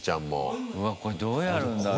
これ、どうやるんだろう。